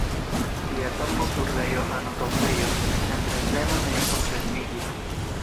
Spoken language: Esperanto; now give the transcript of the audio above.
Lia tombo sur la Johano-Tombejo en Dresdeno ne konserviĝis.